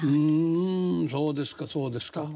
そうですかそうですか。